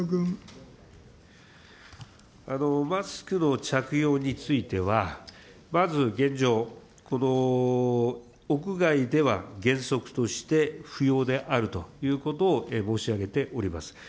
マスクの着用については、まず現状、この屋外では原則として不要であるということを申し上げております。